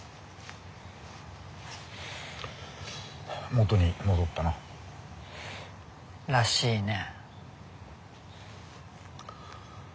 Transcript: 元に戻ったな。らしいね。